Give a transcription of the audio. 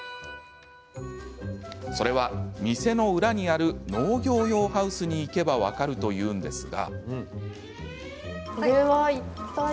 それは、店の裏にある農業用ハウスに行けば分かるというんですが。